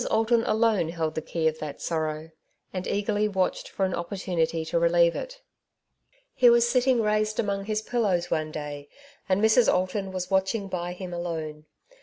Alton alone held the key of that sorrow, and eagerly watched for an opportnnity to relieve it. He was sitting raised among his piUows one day, and Mrs. Alton was watching by him alone.